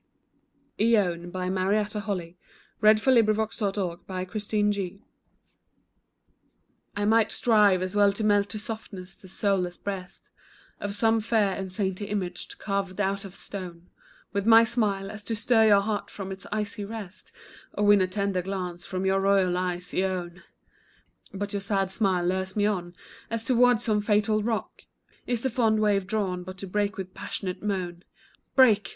t, Ah, little bird! your fluttering wing Is folded on my heart. IONE. I might strive as well to melt to softness the soulless breast Of some fair and saintly image, carven out of stone, With my smile, as to stir you heart from its icy rest, Or win a tender glance from your royal eyes, Ione; But your sad smile lures me on, as toward some fatal rock Is the fond wave drawn, but to break with passionate moan. Break!